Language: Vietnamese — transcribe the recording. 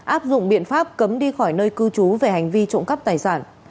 áp dụng biện pháp cấm đi khỏi nơi cư trú về hành vi trộm cắp tài sản